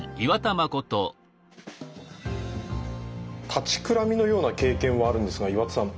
立ちくらみのような経験はあるんですが岩田さん